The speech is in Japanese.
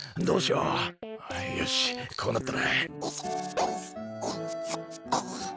どうしよう。